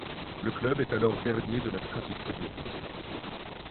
Le club est alors dernier de la Scottish Premier League.